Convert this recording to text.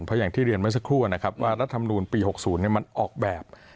เพราะอย่างที่เรียนเมื่อสักครู่นะครับว่ารัฐมนูลปี๖๐มันออกแบบ